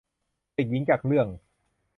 เด็กหญิงจากเรื่อง